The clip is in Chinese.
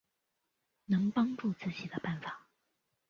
能帮助自己的办法